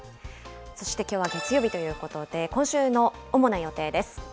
そしてきょうは月曜日ということで、今週の主な予定です。